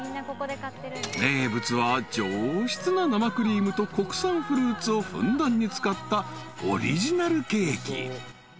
［名物は上質な生クリームと国産フルーツをふんだんに使ったオリジナルケーキ］